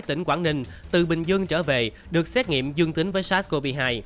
tỉnh quảng ninh từ bình dương trở về được xét nghiệm dương tính với sars cov hai